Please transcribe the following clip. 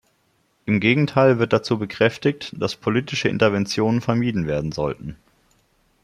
Im Gegenteil wird dazu bekräftigt, dass "politische Interventionen vermieden werden sollten".